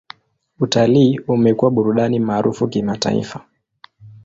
Utalii umekuwa burudani maarufu kimataifa.